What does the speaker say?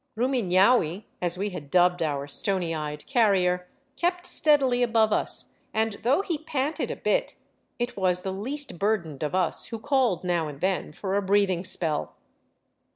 Rumihaui, as we had dubbed our stony eyed carrier, kept steadily above us, and though he panted a bit, it was the least burdened of us who called now and then for a breathing spell.